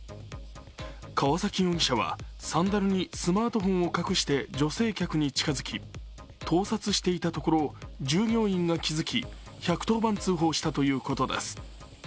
川崎容疑者はサンダルにスマートフォンを隠して女性客に近づき盗撮していたところ従業員が気付き、１１０番通報したということです。